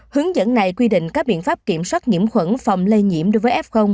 hướng dẫn này quy định các biện pháp kiểm soát nhiễm khuẩn phòng lây nhiễm đối với f